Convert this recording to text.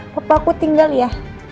papa aku tinggal ya